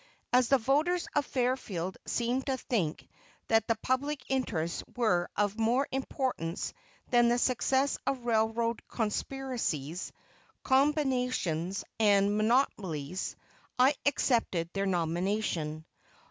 As the voters of Fairfield seemed to think that the public interests were of more importance than the success of railroad conspiracies, combinations, and monopolies, I accepted their nomination.